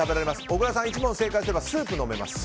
小倉さんは１問正解すればスープを飲めます。